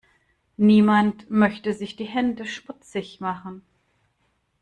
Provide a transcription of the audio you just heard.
Niemand möchte sich die Hände schmutzig machen.